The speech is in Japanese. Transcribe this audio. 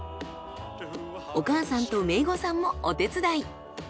お母さんと姪御さんもお手伝い。